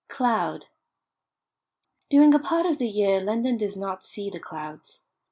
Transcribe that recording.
CLOUD During a part of the year London does not see the clouds.